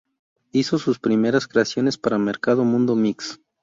Hizo sus primeras creaciones para Mercado Mundo Mix.